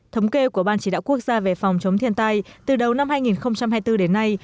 thống kê của ban chỉ đạo quốc gia về phòng chống thiên tai từ đầu năm hai nghìn hai mươi bốn đến nay